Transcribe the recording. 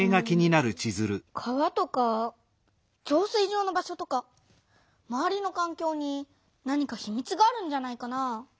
川とか浄水場の場所とかまわりのかんきょうに何かひみつがあるんじゃないかな？